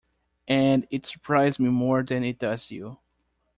And it surprised me more than it does you.